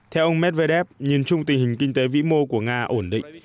theo ông medvedev nhìn chung tình hình kinh tế vĩ mô của nga ổn định